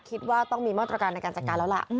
คิดว่าต้องมีมาตรการในการจัดการแล้วล่ะ